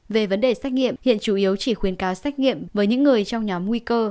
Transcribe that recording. về vấn đề xét nghiệm hiện chủ yếu chỉ khuyến cáo xét nghiệm với những người trong nhóm nguy cơ